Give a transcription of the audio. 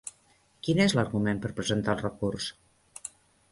Quin és l'argument per presentar el recurs?